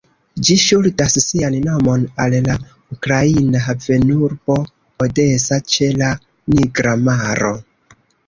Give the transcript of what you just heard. Ĝi ŝuldas sian nomon al la ukraina havenurbo Odesa ĉe la Nigra Maro.